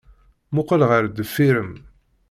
Mmuqqel ɣer deffir-m!